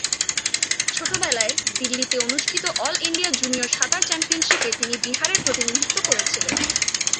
ছোটবেলায়, দিল্লিতে অনুষ্ঠিত অল ইন্ডিয়া জুনিয়র সাঁতার চ্যাম্পিয়নশিপে তিনি বিহারের প্রতিনিধিত্ব করেছিলেন।